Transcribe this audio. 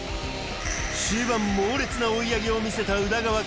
中盤猛烈な追い上げを見せた宇田川か？